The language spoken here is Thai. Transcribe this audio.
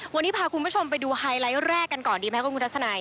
วันนี้พาคุณผู้ชมไปดูไฮไลท์แรกกันก่อนดีไหมครับคุณทัศนัย